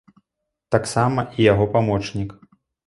Таксама і яго памочнік.